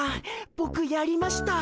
ボクやりました。